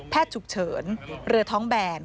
แพทย์ฉุกเฉินเหลือท้องแบน